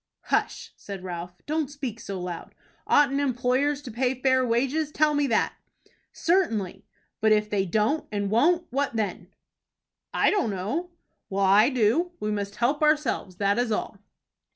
"Hush!" said Ralph, "don't speak so loud. Oughtn't employers to pay fair wages, tell me that?" "Certainly." "But if they don't and won't, what then?" "I don't know." "Well, I do. We must help ourselves, that is all."